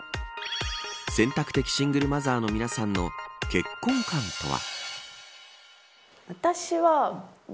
選択的シングルマザーの皆さんの結婚観とは。